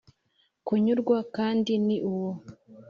kunyurwa, kandi ni uwo.